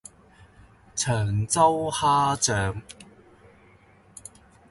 長洲蝦醬